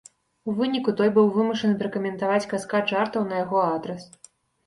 У выніку той быў вымушаны пракаментаваць каскад жартаў на яго адрас.